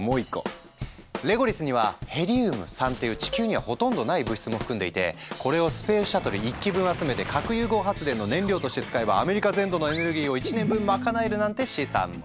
レゴリスには「ヘリウム３」っていう地球にはほとんどない物質も含んでいてこれをスペースシャトル１機分集めて核融合発電の燃料として使えばアメリカ全土のエネルギーを１年分賄えるなんて試算も。